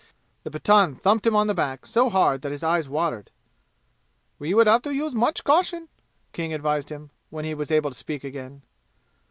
The Pathan thumped him on the back so hard that his eyes watered. "We would have to use much caution," King advised him, when he was able to speak again.